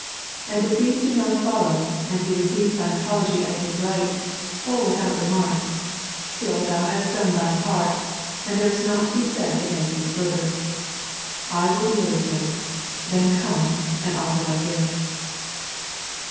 And if these do not follow, and he receives thine apology as his right, or without remarlc, still thou hast done thy part, and there is nought to be said against thee further, I will deal with him — then come, and offer thy gift."